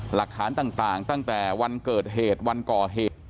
หลักฐานต่างตั้งแต่วันเกิดเหตุวันก่อเหตุ